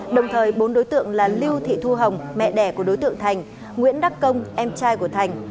đồng thời bốn đối tượng là lưu thị thu hồng mẹ đẻ của đối tượng thành nguyễn đắc công em trai của thành